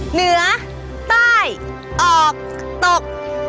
เหนือใต้ออกตก